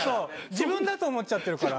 自分だと思っちゃってるから。